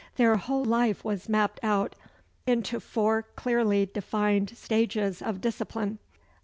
Their whole life was mapped out into four clearly defined stages of discipline.